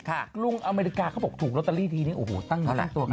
อ่าวลุงอเมริกาเขาบอกถูกโรตเตอรี่ทีนี้ตั้งตั้งตัว